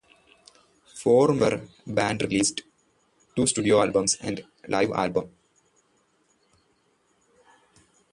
The four-member band released two studio albums and a live album.